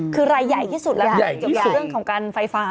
คือรายใหญ่ที่สุดแล้วกับเรื่องของการไฟฟ้า